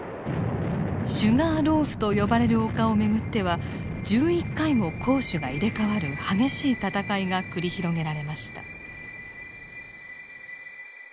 シュガーローフと呼ばれる丘を巡っては１１回も攻守が入れ代わる激しい戦いが繰り広げられました。